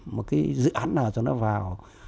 một dự án nào cho nó vào